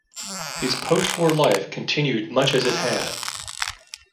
His post-war life continued much as it had.